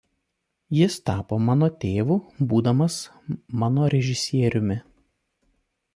Jis tapo mano tėvu būdamas mano režisieriumi.